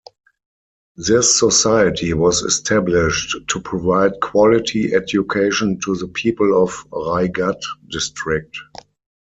This society was established to provide quality education to the people of Raigad District.